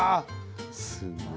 すごい。